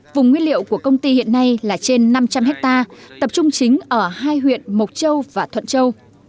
vùng nguyên liệu của công ty hiện nay là trên năm trăm linh hectare tập trung chính ở hai huyện mộc châu và thuận châu